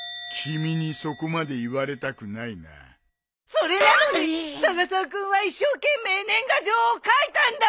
それなのに永沢君は一生懸命年賀状を書いたんだ！